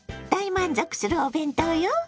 大満足するお弁当よ！